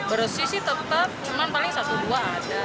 bersih sih tetap cuman paling satu dua ada